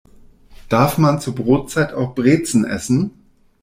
Darf man zur Brotzeit auch Brezen essen?